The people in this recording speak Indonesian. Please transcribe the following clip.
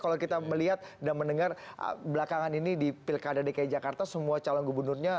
kalau kita melihat dan mendengar belakangan ini di pilkada dki jakarta semua calon gubernurnya